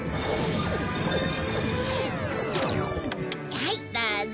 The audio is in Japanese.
はいどうぞ。